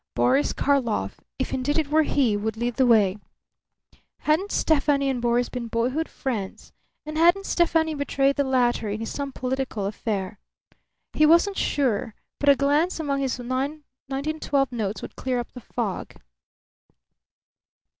Boris Karlov, if indeed it were he, would lead the way. Hadn't Stefani and Boris been boyhood friends, and hadn't Stefani betrayed the latter in some political affair? He wasn't sure; but a glance among his 1912 notes would clear up the fog.